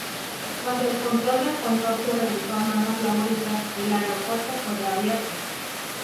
Cuando el control del consorcio regresó a manos Laboristas el aeropuerto fue reabierto.